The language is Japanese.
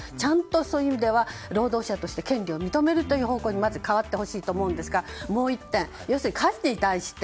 そういう意味ではちゃんと労働者として権利を認める方向に変わってほしいと思いますがもう１点、要するに家事に対して。